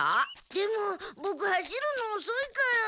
でもボク走るのおそいから。